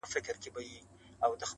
یوه ورځ کفن کښ زوی ته ویل ګرانه٫